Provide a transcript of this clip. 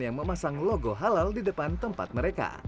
yang memasang logo halal di depan tempat mereka